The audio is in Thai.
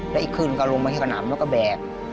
และอีกครึ่งก็ลงมาที่ขนามแล้วก็แบ่ง